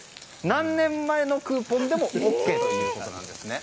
何年前のクーポンでもＯＫということなんです。